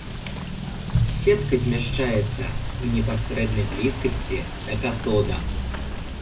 Сетка змяшчаецца ў непасрэднай блізкасці да катода.